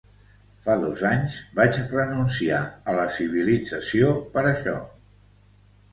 Fa dos anys vaig renunciar a la civilització per això.